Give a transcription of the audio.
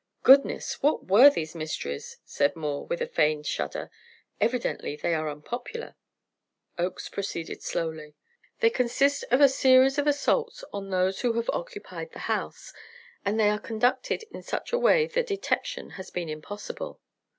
"Goodness! What were these mysteries?" said Moore, with a feigned shudder. "Evidently, they are unpopular." Oakes proceeded slowly. "They consist of a series of assaults on those who have occupied the house, and they are conducted in such a way that detection has been impossible.